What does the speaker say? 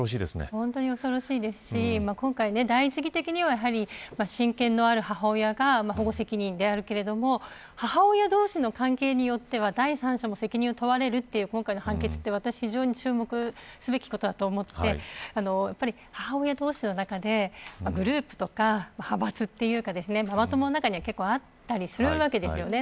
本当に恐ろしいですし今回、親権のある母親が保護責任であるけれども母親同士の関係によっては第三者も責任を問われるという今回の判決、私非常に注目すべきことだと思っていて母親同士の中でグループとか、派閥というかママ友の中には結構あったりするわけですよね。